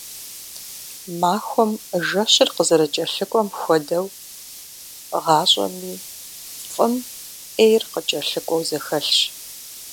Махуэм жэщыр къызэрыкӀэлъыкӀуэм хуэдэу, гъащӀэми фӀым Ӏейр кӀэлъыкӀуэу зэхэлъщ.